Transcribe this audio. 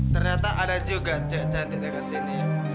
ternyata ada juga cek cantik dekat sini